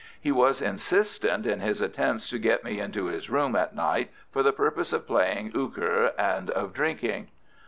He was insistent in his attempts to get me into his room at night, for the purpose of playing euchre and of drinking.